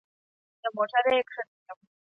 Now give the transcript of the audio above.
له موټره يې کښته کړم.